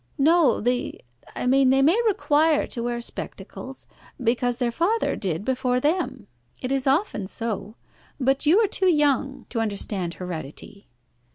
"No, the I mean they may require to wear spectacles because their father did before them. It is often so. But you are too young to understand heredity."